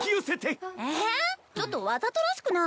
えちょっとわざとらしくない？